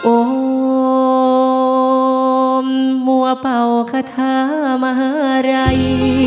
โอ้มมัวเป่าขทะมหาลัย